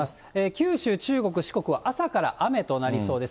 九州、中国、四国は朝から雨となりそうです。